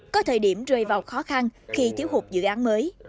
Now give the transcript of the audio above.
có thời điểm rơi vào khó khăn khi thiếu hụt dự án mới